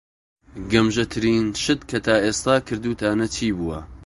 گەمژەترین شت کە تا ئێستا کردووتانە چی بووە؟